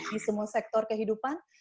di semua sektor kehidupan